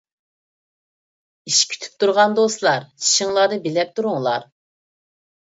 ئىش كۈتۈپ تۇرغان دوستلار، چىشىڭلارنى بىلەپ تۇرۇڭلار.